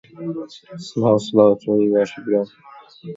ئێستا نزیکەی هیچ پارەیەکم نییە.